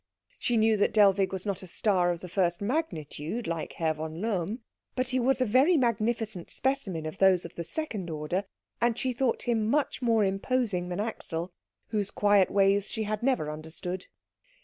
She knew that Dellwig was not a star of the first magnitude like Herr von Lohm, but he was a very magnificent specimen of those of the second order, and she thought him much more imposing than Axel, whose quiet ways she had never understood.